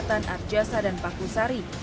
ketiga kejahatan arjasa dan pakusari